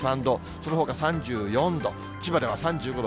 そのほか３４度、千葉では３５度、